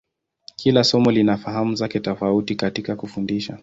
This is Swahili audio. Kila somo lina fahamu zake tofauti katika kufundisha.